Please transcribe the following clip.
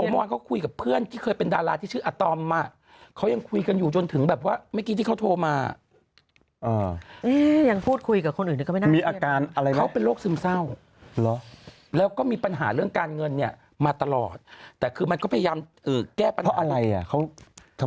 เมื่อพรุ่ง๒ชั่วโมงที่ผ่านมาเองนะฮ่าครับ